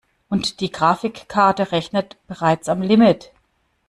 Und die Grafikkarte rechnet bereits am Limit.